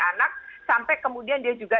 anak sampai kemudian dia juga